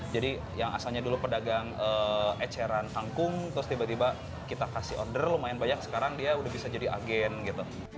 yang asalnya dulu pedagang eceran kangkung terus tiba tiba kita kasih order lumayan banyak sekarang dia udah bisa jadi agen gitu